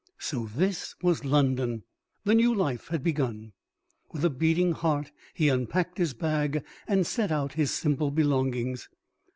So this was London! The new life had begun. With a beating heart he unpacked his bag and set out his simple belongings.